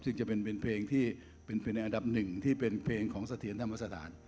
ซึ่งจะเป็นเพลงที่เป็นเพลงอันดับหนึ่งที่เป็นเพลงของเสถียรธรรมสถาน